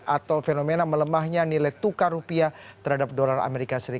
atau fenomena melemahnya nilai tukar rupiah terhadap dolar as